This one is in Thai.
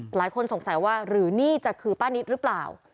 หลายคนสงสัยว่าหรือนี่จะคือป้านิตหรือเปล่า